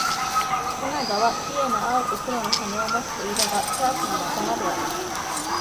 オナガは綺麗な青と黒の羽を持つ鳥だが、カラスの仲間である